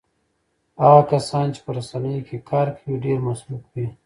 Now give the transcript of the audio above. هغه کسان چې په رسنیو کې کار کوي ډېر مصروف وي.